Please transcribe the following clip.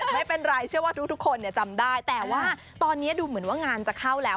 ไม่เป็นไรเชื่อว่าทุกคนจำได้แต่ว่าตอนนี้ดูเหมือนว่างานจะเข้าแล้ว